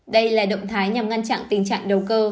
đây là động thái nhằm ngăn chặn tình trạng đầu cơ